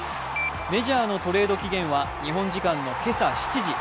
メジャーのトレード期限は日本時間の今朝７時。